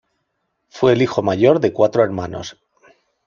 Fue el hijo mayor de cuatro hermanos.